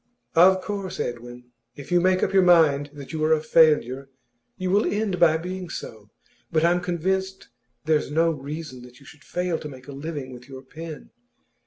'Of course, Edwin, if you make up your mind that you are a failure, you will end by being so. But I'm convinced there's no reason that you should fail to make a living with your pen.